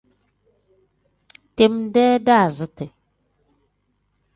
Time-dee daaziti.